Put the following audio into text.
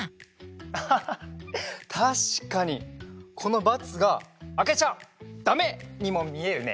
アハハッたしかにこのバツが「あけちゃダメ！」にもみえるね。